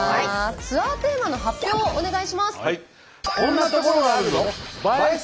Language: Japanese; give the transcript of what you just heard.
ツアーテーマの発表をお願いします。